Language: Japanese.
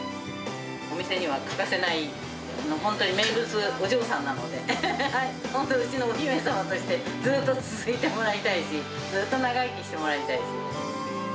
お店には欠かせない、本当に名物お嬢さんなので、本当、うちのお姫様としてずーっと続いてもらいたいし、ずっと長生きしてもらいたいです。